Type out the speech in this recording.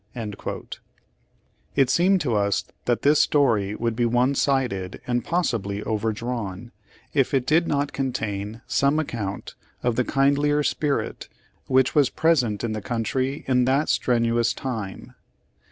' It seemed to us that this story would be one sided and possibly overdrawn, if it did not con tain some account of the kindlier spirit which was present in the country in that strenuous time.